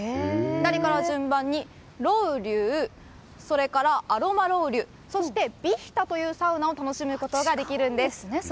左から順番にロウリュウ、アロマロウリュウそして、ヴィヒタというサウナを楽しむことができるんです。